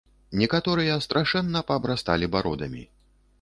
Некаторыя страшэнна паабрасталі бародамі.